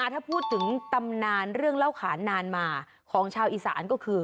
ถ้าพูดถึงตำนานเรื่องเล่าขานนานมาของชาวอีสานก็คือ